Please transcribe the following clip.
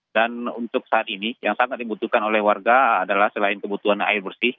dan untuk saat ini yang sangat dibutuhkan oleh warga adalah selain kebutuhan air bersih